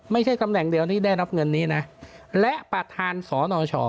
ไม่ใช่ตำแหน่งเดียวที่ได้รับเงินนี้นะและประธานสนช